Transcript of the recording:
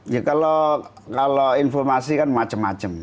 ya kalau informasi kan macam macam